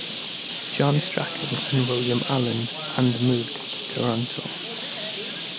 John Strachan and William Allan and moved to Toronto.